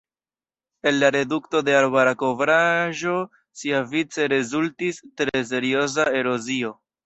El la redukto de arbara kovraĵo siavice rezultis tre serioza erozio.